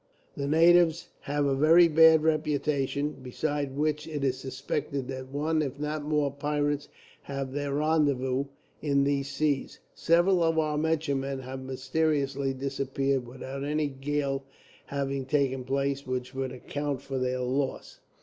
The natives have a very bad reputation, besides which it is suspected that one, if not more, pirates have their rendezvous in these seas. Several of our merchantmen have mysteriously disappeared, without any gale having taken place which would account for their loss.